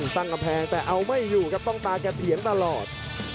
ตั้งกำแพงแต่เอาไม่อยู่ครับต้องตาแกเถียงตลอด